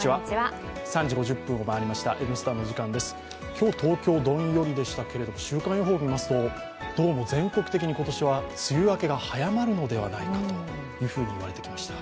今日、東京どんよりでしたけど週間予報を見ますと、どうも今年は梅雨明けが早まるのではないかと言われてきました。